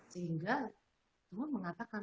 sehingga semua mengatakan